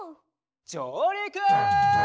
じょうりく！